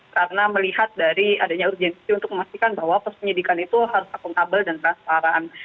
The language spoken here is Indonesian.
karena melihat dari adanya urgensi untuk memastikan bahwa persenjadikan itu harus akuntabel dan transparan